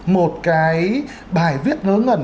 một cái bài viết lớn gần